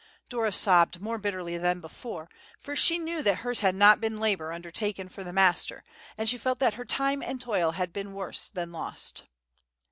Dora sobbed more bitterly than before, for she knew that hers had not been labor undertaken for the Master, and she felt that her time and toil had been worse than lost.